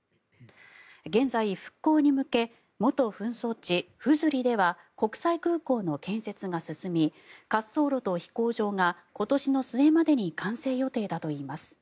現在、復興に向け元紛争地フズリでは国際空港の建設が進み滑走路と飛行場が今年の末までに完成予定だと言います。